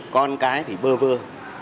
con cái thì bơ vơ